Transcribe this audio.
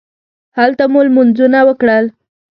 هلته مو لمونځونه وکړل.